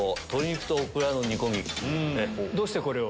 どうしてこれを？